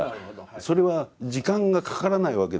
それは時間がかからないわけですよ。